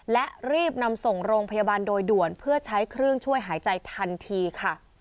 และรีบนำส่งโรงพยาบาลโดยด่วนเพื่อใช้เครื่องช่วยหายใจทันทีค่ะ